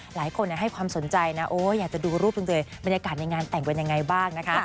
หลายคนให้ความสนใจนะโอ้อยากจะดูรูปคุณเจบรรยากาศในงานแต่งเป็นยังไงบ้างนะคะ